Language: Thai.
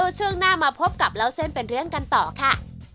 ช่วงหน้ามาพบกับเล่าเส้นเป็นเรื่องกันต่อค่ะ